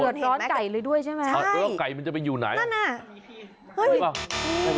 เศรษฐร้อนไก่เลยด้วยใช่ไหมใช่แล้วไก่มันจะไปอยู่ไหน